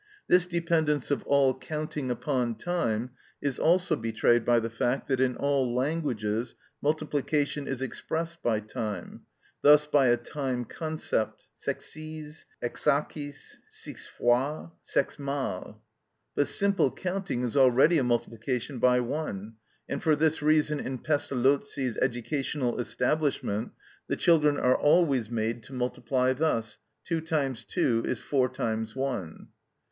This dependence of all counting upon time is also betrayed by the fact that in all languages multiplication is expressed by "time," thus by a time concept: sexies, ἑξακις, six fois, sex mal. But simple counting is already a multiplication by one, and for this reason in Pestalozzi's educational establishment the children are always made to multiply thus: "Two times two is four times one."